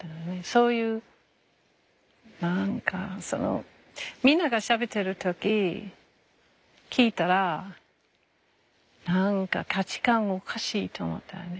そういう何かそのみんながしゃべってる時聞いたら何か価値観おかしいと思ったよね。